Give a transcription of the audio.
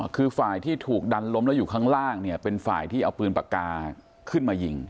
คือฝ่ายที่ถูกดันล้มแล้วอยู่ข้างล่างเนี่ยเป็นฝ่ายที่เอาปืนปากกาขึ้นมายิง